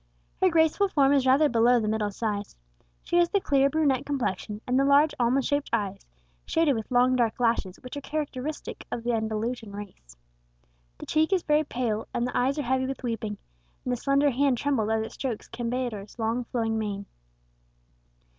Her graceful form is rather below the middle size; she has the clear brunette complexion and the large almond shaped eyes, shaded with long dark lashes, which are characteristic of the Andalusian race. The cheek is very pale, and the eyes are heavy with weeping, and the slender hand trembles as it strokes Campeador's long flowing mane.